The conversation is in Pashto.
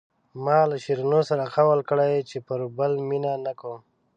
ما له شیرینو سره قول کړی چې پر بل مینه نه کوم.